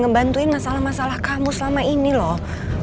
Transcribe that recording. ngebantuin masalah masalah kamu selama ini loh